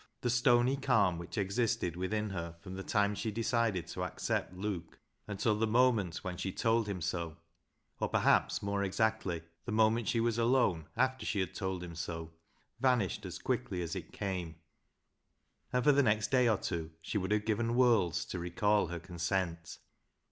The stony calm which existed within her from the time she decided to accept Luke until the moment when she told him so, or, perhaps, more exactly, the moment she was alone after she had told him so, vanished as quickly as it came, and for the next day or two she would have given worlds to recall her consent.